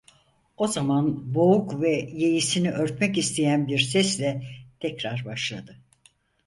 O zaman boğuk ve yeisini örtmek isteyen bir sesle tekrar başladı.